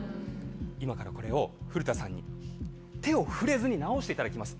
今からこれを古田さんに手を触れずに直していただきます。